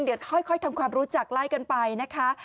เดี๋ยวค่อยทำความรู้จักไล่กันไปนะคะ